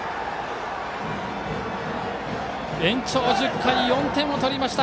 延長１０回４点を取りました。